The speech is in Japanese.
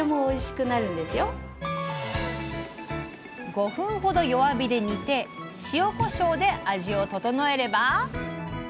５分ほど弱火で煮て塩こしょうで味を調えれば。